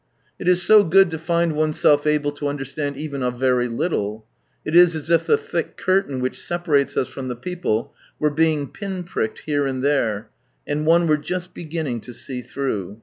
It is so good to (ind oneself able to understand even a very little. It is as if 1 the thick curtain which separates iis from the people were being pin pricked here and there, and one were just beginning lo see through.